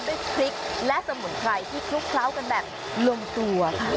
พริกและสมุนไพรที่คลุกเคล้ากันแบบลงตัวค่ะ